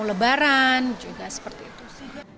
lebaran juga seperti itu sih